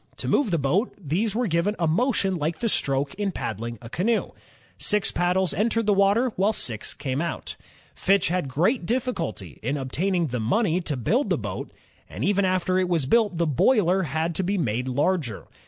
To move the boat, these were given a motion like the stroke in paddling a canoe. Six paddles entered the water, while six came out. Fitch had great difficulty in obtaining the money to build the boat, and even after it was built the boiler had to be made larger.